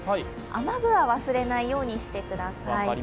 雨具は忘れないようにしてください。